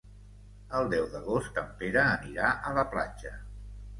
El deu d'agost en Pere anirà a la platja.